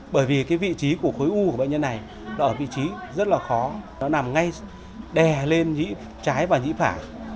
bởi vì cái vị trí của khối u của bệnh nhân này ở vị trí rất là khó nó nằm ngay đè lên nhĩ trái và nhĩ phải